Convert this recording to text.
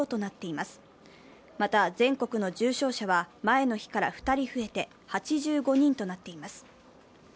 また全国の重症者は前の日から２人増えて８５人となっています。